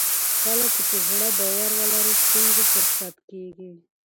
کله چې په زړه باور ولرو ستونزې فرصت کیږي.